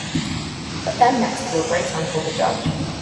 Put them next to your great-uncle the judge.